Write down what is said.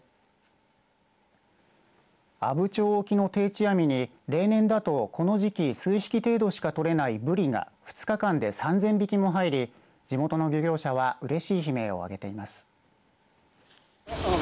阿武町沖の定置網に例年だと、この時期数匹程度しか取れないブリが２日間で３０００匹も入り地元の漁業者はうれしい悲鳴をあげています。